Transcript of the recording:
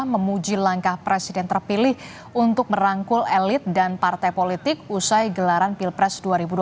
memuji langkah presiden terpilih untuk merangkul elit dan partai politik usai gelaran pilpres dua ribu dua puluh